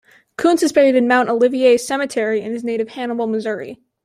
Coontz is buried in Mount Olivet Cemetery in his native Hannibal, Missouri.